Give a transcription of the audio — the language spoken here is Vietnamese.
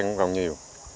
cũng còn nhiều